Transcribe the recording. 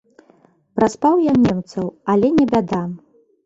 Праспаў я немцаў, але не бяда.